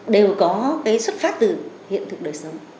đều có cái xuất phát từ hiện thực đời sống